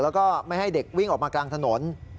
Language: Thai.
แล้วก็ไม่ให้เด็กวิ่งออกมากลางถนน